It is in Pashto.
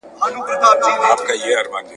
په لمبو کي مځکه سره لکه تبۍ ده ..